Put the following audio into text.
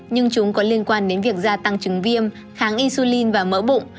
nhưng chúng có liên quan đến việc gia tăng trứng viêm kháng insulin và mỡ bụng